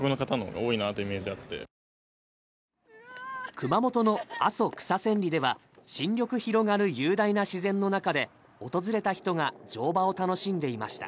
熊本の阿蘇・草千里では新緑広がる雄大な自然の中で訪れた人が乗馬を楽しんでいました。